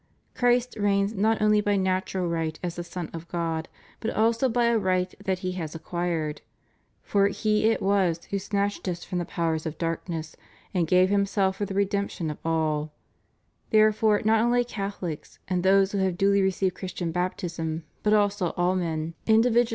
Christ reigns not only by natural right as the Son of God but also by a right that He has acquired. For He it was who snatched us from the powers of darkness,* and gave Himself for the redemption of all} Therefore not only Catholics, and those who have duly received Christian Baptism, but also all men, individually » Heb.